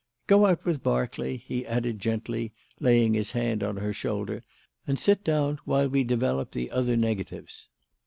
Go out with Berkeley," he added gently, laying his hand on her shoulder, "and sit down while we develop the other negatives.